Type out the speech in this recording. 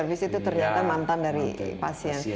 abis itu ternyata mantan dari pasien